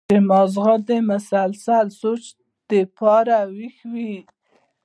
چې مازغه د مسلسل سوچ د پاره وېخ وي